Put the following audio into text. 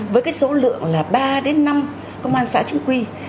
với cái số lượng là ba đến năm công an xã chính quy